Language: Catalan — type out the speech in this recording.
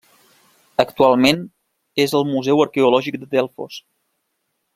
Actualment és al Museu Arqueològic de Delfos.